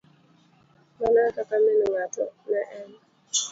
Mano ekaka min ng'ato ne en.